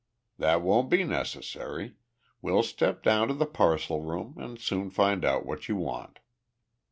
"That won't be necessary. We'll step down to the parcel room and soon find out what you want."